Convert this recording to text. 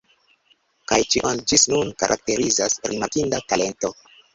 Kaj ĉion, ĝis nun, karakterizas rimarkinda talento.